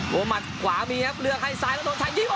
มุมมัดขวามีครับเลือกให้ซ้ายแล้วโรชัยยิงโอ้โห